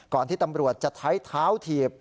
ก่อนที่ตำรวจจะไถ้เท้าถีบ